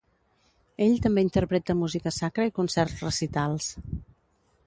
Ell també interpreta música sacra i concerts recitals.